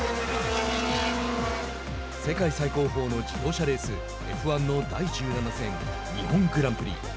世界最高峰の自動車レースＦ１の第１７戦日本グランプリ。